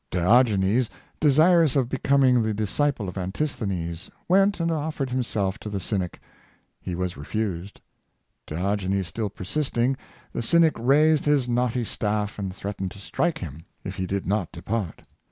Diogenes, desirous of becoming the disci ple of Antisthenes, went and offered himself to the cynic. He was refused. Diogenes still persisting, the cynic raised his knotty staff and threatened to strike him if he did not depart.